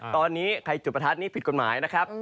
ตอนนี้ใครจุดประทัดนี่ผิดกฎหมายนะครับ